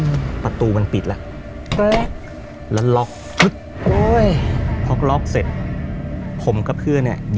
ประตูมันปิดแล้วแล้วล็อกฟึ๊ดโอ้ยพอล็อกเสร็จผมกับเพื่อนเนี้ย